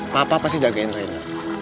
papa pasti jagain rendy